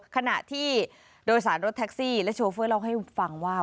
ขณะที่โดยสารรถแท็กซี่และโชเฟอร์เล่าให้ฟังว่า